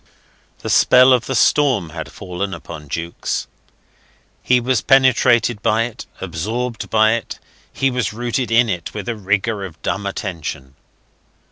The spell of the storm had fallen upon Jukes. He was penetrated by it, absorbed by it; he was rooted in it with a rigour of dumb attention.